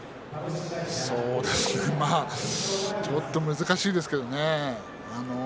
そうですねちょっと難しいですけどね